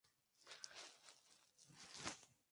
Allí, Clara encuentra a su amante.